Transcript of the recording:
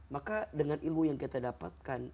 maka dengan ilmu yang kita dapatkan